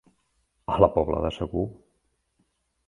A la pobla de segur.